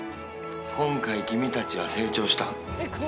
今回君たちは成長した。